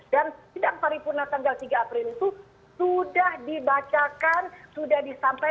dan tindak paripurna tanggal tiga april itu sudah dibacakan sudah disampaikan dan sudah diketok palu